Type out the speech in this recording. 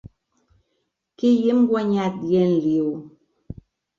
Què hi hem guanyat, dient-li-ho?